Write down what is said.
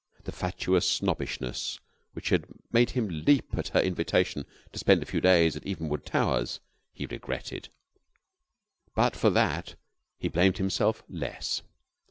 The fatuous snobbishness which had made him leap at her invitation to spend a few days at Evenwood Towers he regretted; but for that he blamed himself less.